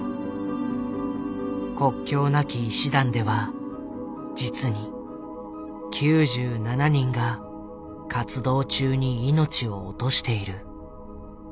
国境なき医師団では実に９７人が活動中に命を落としている。